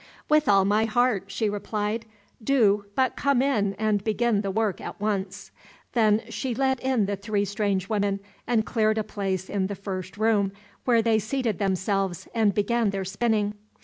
"With all my heart," she replied, "do but come in and begin the work at once." Then she let in the three strange women, and cleared a place in the first room, where they seated themselves and began their spinning.